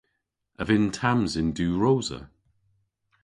A vynn Tamsyn diwrosa?